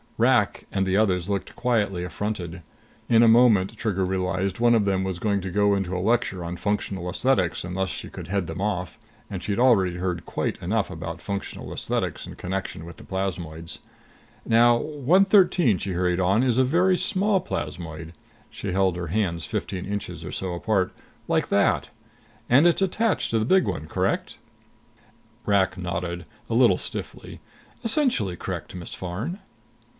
Rak and the others looked quietly affronted. In a moment, Trigger realized, one of them was going to go into a lecture on functional esthetics unless she could head them off and she'd already heard quite enough about functional esthetics in connection with the plasmoids. "Now, 113," she hurried on, "is a very small plasmoid" she held her hands fifteen inches or so apart "like that; and it's attached to the big one. Correct?" Rak nodded, a little stiffly. "Essentially correct, Miss Farn."